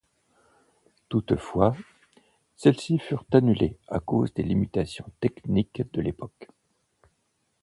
Toutefois, celles-ci furent annulés à cause des limitations techniques de l'époque.